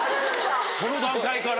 その段階から？